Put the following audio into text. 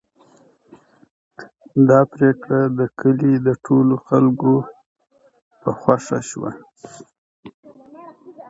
دا پرېکړه د کلي د ټولو خلکو په خوښه شوه.